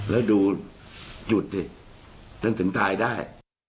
แล้วดูหยุดดิฉันถึงตายได้